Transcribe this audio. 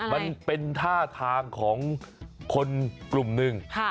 มันเป็นท่าทางของคนกลุ่มหนึ่ง